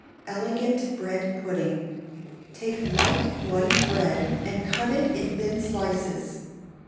Elegant Bread Pudding. Take light white bread, and cut it in thin slices.